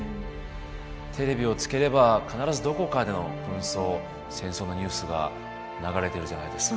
テレビをつければ必ずどこかでの紛争戦争のニュースが流れてるじゃないですか。